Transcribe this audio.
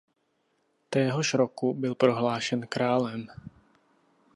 Téhož roku byl prohlášen králem.